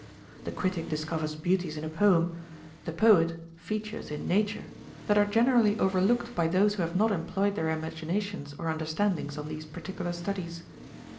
The critic discovers beauties in a poem, the poet features in nature, that are generally overlooked by those who have not employed their imaginations or understandings on these particular studies.